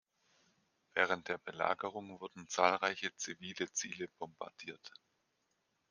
Während der Belagerung wurden zahlreiche zivile Ziele bombardiert.